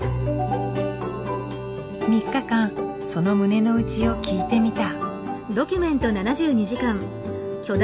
３日間その胸の内を聞いてみた。